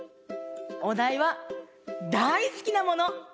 おだいはだいすきなもの！